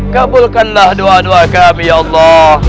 kabulkanlah doa doa kami ya allah